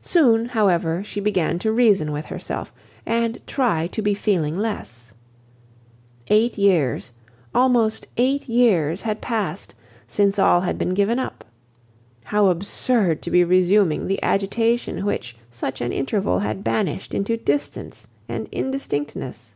Soon, however, she began to reason with herself, and try to be feeling less. Eight years, almost eight years had passed, since all had been given up. How absurd to be resuming the agitation which such an interval had banished into distance and indistinctness!